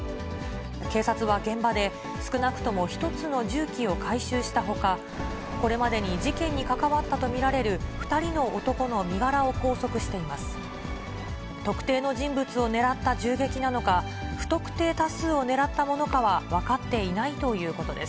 警察は現場で、少なくとも１つの銃器を回収したほか、これまでに事件に関わったと見られる２人の男の身柄を拘束しています。